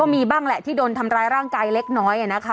มีบ้างแหละที่โดนทำร้ายร่างกายเล็กน้อยนะคะ